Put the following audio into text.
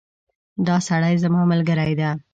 دا سړی زما ملګری ده